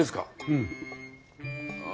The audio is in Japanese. うん。